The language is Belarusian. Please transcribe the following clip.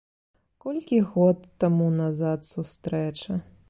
Колькі год таму назад сустрэча.